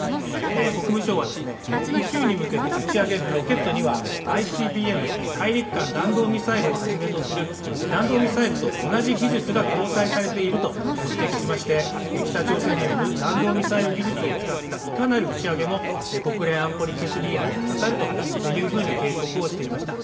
国務省は宇宙に向けて打ち上げるロケットにはＩＣＢＭ＝大陸間弾道ミサイルをはじめとする弾道ミサイルと同じ技術が搭載されていると指摘しまして北朝鮮による弾道ミサイル技術を使ったいかなる打ち上げも国連安保理決議案に違反すると警告をしていました。